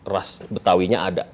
ras betawinya ada